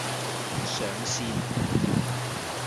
上線